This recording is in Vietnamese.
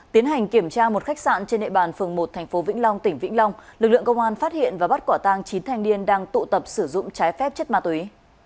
tiến hành kiểm tra một khách sạn trên địa bàn phường một tp vĩnh long tỉnh vĩnh long lực lượng công an phát hiện và bắt quả tang chín thanh niên đang tụ tập sử dụng trái phép chất ma túy